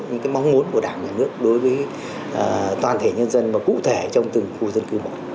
những cái mong muốn của đảng nhà nước đối với toàn thể nhân dân và cụ thể trong từng khu dân cư